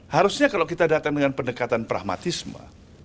harusnya kalau kita datang dengan pendekatan pragmatisme